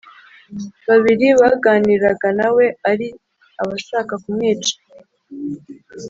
babiri baganiraga na we ari abashaka kumwica